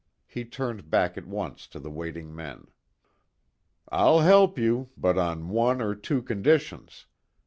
He turned back at once to the waiting men. "I'll help you, but on one or two conditions.